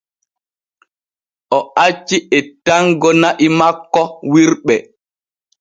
O acci ettango na’i makko wirɓe.